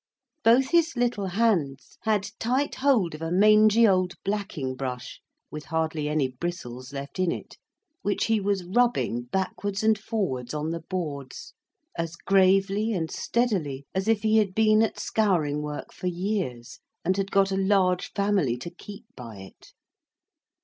Both his little hands had tight hold of a mangy old blacking brush, with hardly any bristles left in it, which he was rubbing backwards and forwards on the boards, as gravely and steadily as if he had been at scouring work for years, and had got a large family to keep by it.